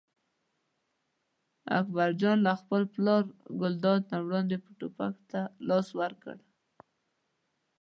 اکبر جان له خپل پلار ګلداد نه وړاندې ټوپک ته لاس کړ.